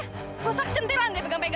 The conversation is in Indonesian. nggak usah kecentilan dia pegang pegang